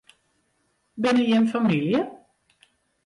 Binne jimme famylje?